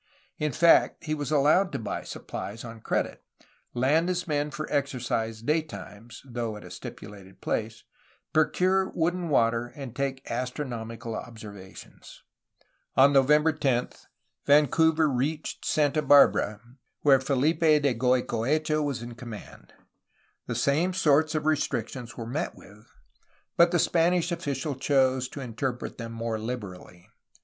In fact he was allowed to buy supplies on credit, land his men for exercise daytimes (though at a stipulated place), procure wood and water, and take astronomical observations. On November 10 Vancouver reached Santa Barbara, where Fehpe de Goicoechea was in command. The same sorts THE ROMANTIC PERIOD, 1782 1810 407 of restrictions were met with, but the Spanish official chose to interpret them more liberally.